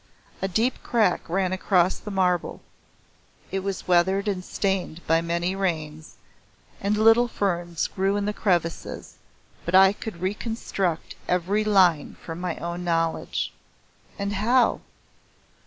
A deep crack ran across the marble; it was weathered and stained by many rains, and little ferns grew in the crevices, but I could reconstruct every line from my own knowledge. And how?